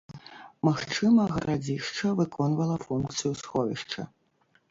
Магчыма, гарадзішча выконвала функцыю сховішча.